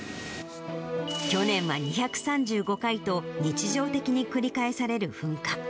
去年は２３５回と、日常的に繰り返される噴火。